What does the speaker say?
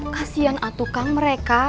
kasian atuh kang mereka